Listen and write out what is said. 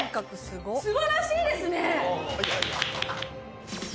すばらしいですね